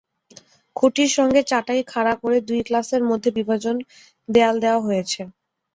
খুঁটির সঙ্গে চাটাই খাড়া করে দুই ক্লাসের মধ্যে বিভাজন দেয়াল দেওয়া হয়েছে।